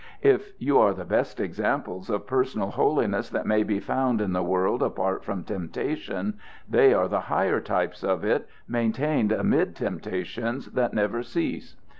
If you are the best examples of personal holiness that may be found in the world apart from temptation, they are the higher types of it maintained amid temptations that never cease.